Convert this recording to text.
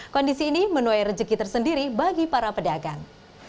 kondisi ini menuai rejeki tersendiri bagi para pedagang